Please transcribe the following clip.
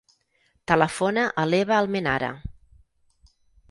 Telefona a l'Eva Almenara.